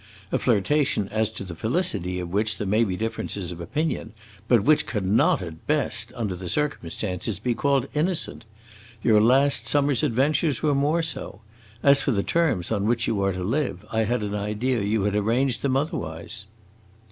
a flirtation as to the felicity of which there may be differences of opinion, but which cannot at best, under the circumstances, be called innocent. Your last summer's adventures were more so! As for the terms on which you are to live, I had an idea you had arranged them otherwise!"